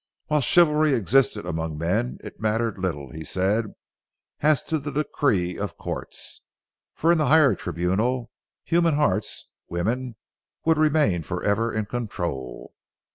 While chivalry existed among men, it mattered little, he said, as to the decrees of courts, for in that higher tribunal, human hearts, woman would remain forever in control.